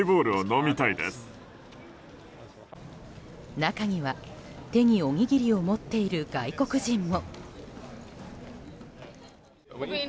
中には、手におにぎりを持っている外国人も。